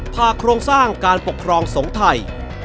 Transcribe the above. ผ่าโครงสร้างการปกครองสงทัย